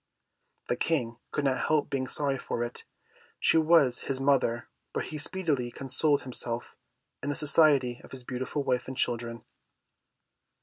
The King could not help being sorry for it; she was his mother, but he speedily consoled himself in the society of his beautiful wife and children.